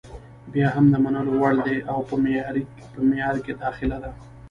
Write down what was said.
بیا هم د منلو وړ ده او په معیار کې داخله ده.